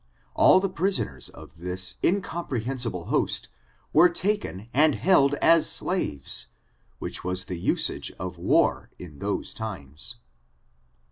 All the prisoners of this in comprehensible host were taken and held as slaves, which was the usage of war in those times.